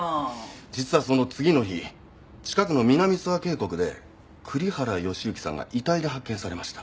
実はその次の日近くの南諏訪渓谷で栗原善行さんが遺体で発見されました。